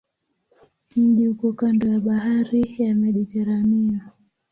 Mji uko kando ya bahari ya Mediteranea.